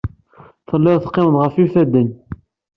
Telliḍ teqqimeḍ ɣef yifadden.